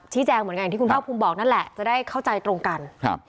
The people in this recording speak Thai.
ชี้แจงเหมือนกันที่คุณเถ้าพุมบอกนั่นแหละจะได้เข้าใจตรงกัน